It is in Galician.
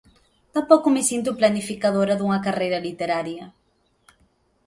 Tampouco me sinto planificadora dunha carreira literaria.